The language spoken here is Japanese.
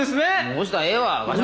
そしたらええわ。